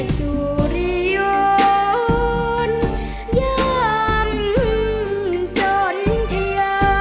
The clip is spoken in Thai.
สุริยนต์ย่ำจนเทีย